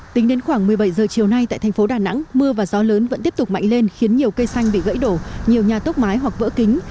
tính đến khoảng một mươi bảy h chiều nay tại thành phố đà nẵng mưa và gió lớn vẫn tiếp tục mạnh lên khiến nhiều cây xanh bị gãy đổ nhiều nhà tốc mái hoặc vỡ kính